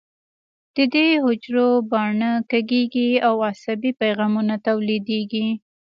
د دې حجرو باڼه کږېږي او عصبي پیغامونه تولیدېږي.